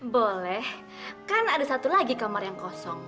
boleh kan ada satu lagi kamar yang kosong